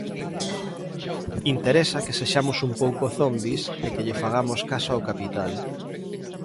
Interesa que sexamos un pouco zombis e que lle fagamos caso ao capital.